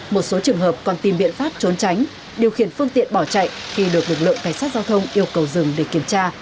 một số trường hợp còn tìm biện pháp trốn tránh điều khiển phương tiện bỏ chạy khi được lực lượng cảnh sát giao thông yêu cầu dừng để kiểm tra